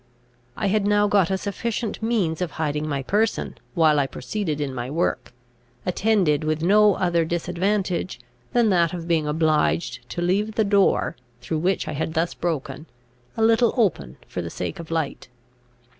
I had now got a sufficient means of hiding my person while I proceeded in my work, attended with no other disadvantage than that of being obliged to leave the door, through which I had thus broken, a little open for the sake of light.